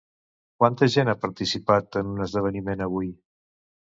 Quanta gent ha participat en un esdeveniment avui?